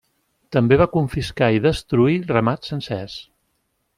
També va confiscar i destruir ramats sencers.